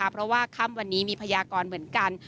เพราะว่าค่ำวันนี้มีพยากรเหมือนกัน